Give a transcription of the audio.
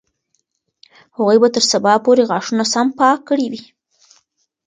هغوی به تر سبا پورې غاښونه سم پاک کړي وي.